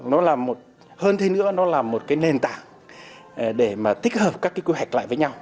nó là một hơn thế nữa nó là một cái nền tảng để mà tích hợp các cái quy hoạch lại với nhau